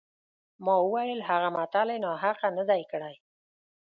ما وویل هغه متل یې ناحقه نه دی کړی.